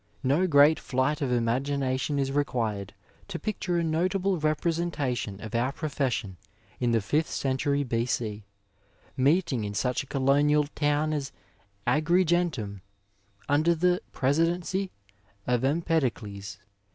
No great iBight of imagination is required to picture a notable representation of our profession in the fifth century b.o. meeting in such a colonial town as Agri gentum, under the presidency of Empedocles.